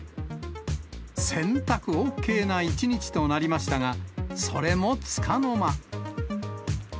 洗濯ＯＫな一日となりましたが、それもつかの間。